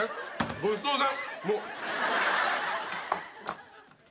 ごちそうさん！